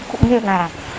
cũng như là